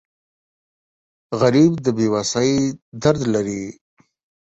غریب د بې وسۍ درد لري